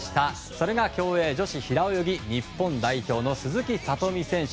それが競泳女子平泳ぎ日本代表の鈴木聡美選手。